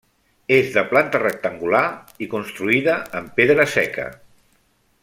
És de planta rectangular i construïda amb pedra seca.